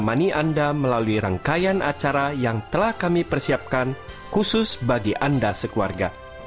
menemani anda melalui rangkaian acara yang telah kami persiapkan khusus bagi anda sekeluarga